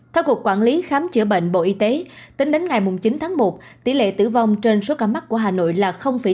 theo cục quản lý khám chữa bệnh bộ y tế tính đến ngày chín tháng một tỷ lệ tử vong trên số ca mắc của hà nội là tám mươi